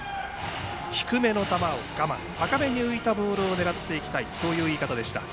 低めの球を我慢し高めに浮いたボールを狙っていきたいという言い方。